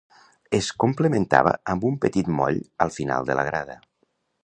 Es complementava amb un petit moll al final de la grada.